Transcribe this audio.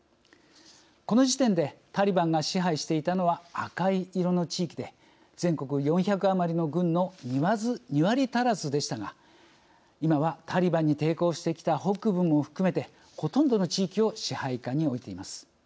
この時点でタリバンが支配していたのは赤い色の地域で全国４００余りの郡の２割足らずでしたが今はタリバンに抵抗してきた北部も含めてほとんどの地域を支配下に置いています。